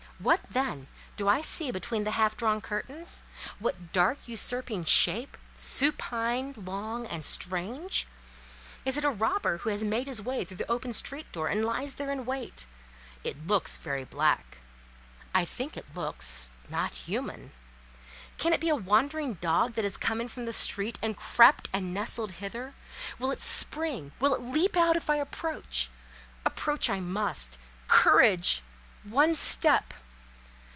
What, then; do I see between the half drawn curtains? What dark, usurping shape, supine, long, and strange? Is it a robber who has made his way through the open street door, and lies there in wait? It looks very black, I think it looks—not human. Can it be a wandering dog that has come in from the street and crept and nestled hither? Will it spring, will it leap out if I approach? Approach I must. Courage! One step!